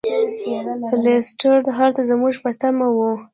لیسټرډ هلته زموږ په تمه و.